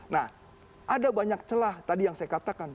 nah ada banyak celah tadi yang saya katakan